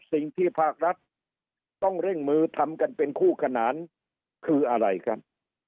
สิ่งที่ภาครัฐต้องเร่งมือทำกันเป็นคู่ขนานคืออะไรครับ